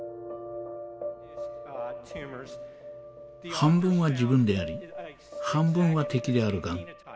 半分は自分であり半分は敵であるがん。